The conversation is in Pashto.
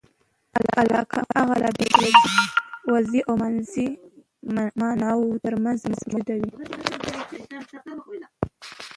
علاقه هغه رابطه ده، چي د وضمي او مجازي ماناوو ترمنځ موجوده يي.